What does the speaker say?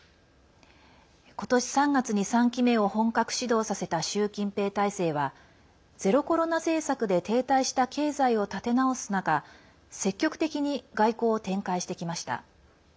今年３月に、３期目を本格始動させた習近平体制はゼロコロナ政策で停滞した経済を立て直す中積極的に外交を展開してきました。